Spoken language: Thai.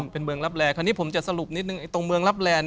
เป็นเมืองรับแรร์คราวนี้ผมจะสรุปนิดนึง